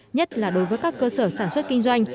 nhất là đối với các cơ sở sản xuất kinh doanh